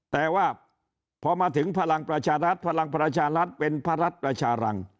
แต่ว่าพอมาถึงพลังประชารัฐพลังประชารัฐเป็นพระรัฐประชารัง